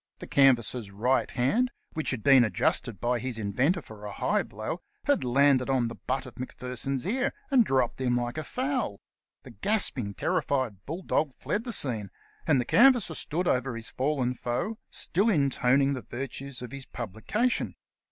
The canvasser's right hand, which had been adjusted by his inventor for a high blow, had landed on the butt of Macpherson's ear and dropped him like a fowl. The gasp ing, terrified bull dog fled the scene, and the canvasser stood over his fallen foe, still intoning the virtues of his publication.